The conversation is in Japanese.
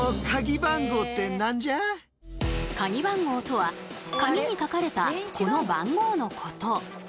カギ番号とはカギに書かれたこの番号のこと。